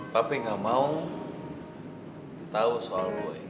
papi enggak mau tahu soal boy